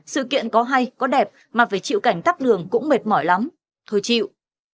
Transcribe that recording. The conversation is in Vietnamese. sự kiện có hay có đẹp mà phải chịu cảnh tắt đường cũng mệt mỏi lắm thôi chịu